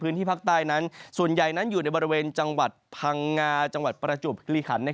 พื้นที่ภาคใต้นั้นส่วนใหญ่นั้นอยู่ในบริเวณจังหวัดพังงาจังหวัดประจวบคิริขัน